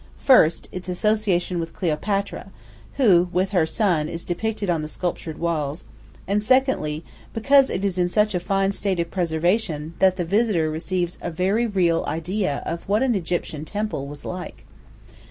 First, its association with Cleopatra, who, with her son, is depicted on the sculptured walls; and, secondly, because it is in such a fine state of preservation that the visitor receives a very real idea of what an Egyptian temple was like.